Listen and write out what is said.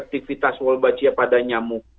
aktivitas wolbachia pada nyamuk